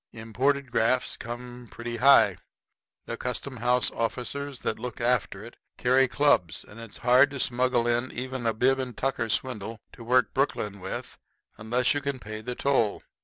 Imported grafts come pretty high. The custom house officers that look after it carry clubs, and it's hard to smuggle in even a bib and tucker swindle to work Brooklyn with unless you can pay the toll.